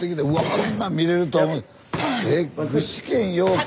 こんなん見れるとは。